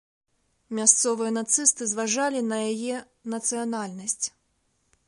Мясцовыя нацысты зважалі на яе нацыянальнасць.